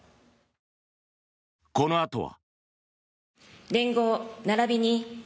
このあとは。